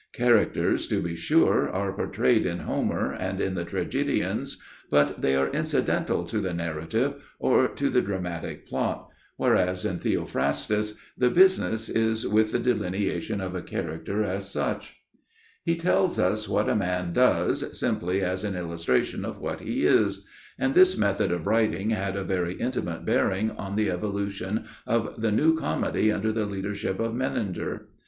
Characters, to be sure, are portrayed in Homer and in the tragedians, but they are incidental to the narrative or to the dramatic plot, whereas in Theophrastus the business is with the delineation of a character as such. [Sidenote: The Influence of Theophrastus] He tells us what a man does, simply as an illustration of what he is, and this method of writing had a very intimate bearing on the evolution of the New Comedy under the leadership of Menander.